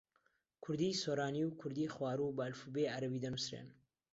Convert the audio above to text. کوردیی سۆرانی و کوردیی خواروو بە ئەلفوبێی عەرەبی دەنووسرێن.